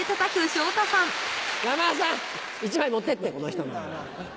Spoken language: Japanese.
山田さん１枚持ってってこの人の。